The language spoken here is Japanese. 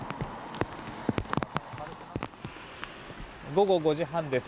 午後５時半です。